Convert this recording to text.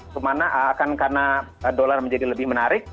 kemana akan karena dolar menjadi lebih menarik